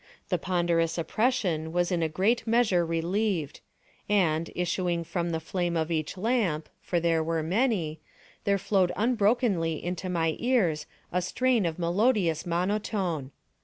The ponderous oppression was in a great measure relieved; and, issuing from the flame of each lamp, (for there were many,) there flowed unbrokenly into my ears a strain of melodious monotone.